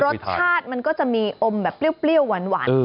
รสชาติมันก็จะมีอมแบบเปรี้ยวหวาน